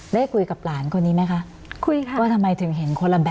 ได้คุยกับหลานคนนี้ไหมคะคุยค่ะว่าทำไมถึงเห็นคนละแบบ